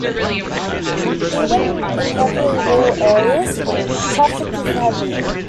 Even in heavily rural areas, traffic is heavy.